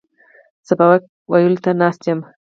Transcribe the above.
سبق ویلو ته ناست یم.